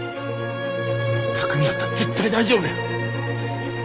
巧海やったら絶対大丈夫や！